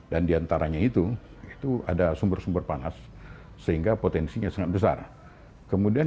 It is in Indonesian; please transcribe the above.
satu ratus dua puluh sembilan dan diantaranya itu itu ada sumber sumber panas sehingga potensinya sangat besar kemudian